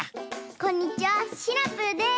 こんにちはシナプーです！